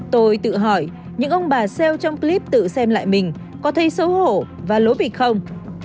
tôi tự hỏi những ông bà sale trong clip tự xem lại mình có thấy xấu hổ và lỗ bịch không